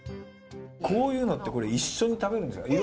こういうのってこれ一緒に食べるんですか？